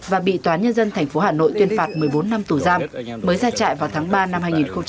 và bị toán nhân dân tp hà nội tuyên phạt một mươi bốn năm tù giam mới ra trại vào tháng ba năm hai nghìn hai mươi